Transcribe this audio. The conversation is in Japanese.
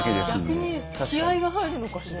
逆に気合いが入るのかしら。